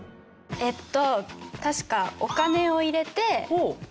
えっと。